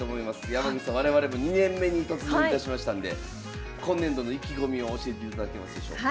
山口さん我々も２年目に突入いたしましたんで今年度の意気込みを教えていただけますでしょうか。